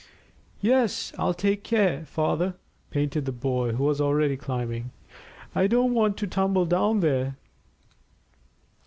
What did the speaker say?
"Yes, I'll take care, father," panted the boy, who was already climbing. "I don't want to tumble down there."